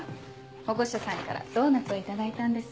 保護者さんからドーナツを頂いたんです。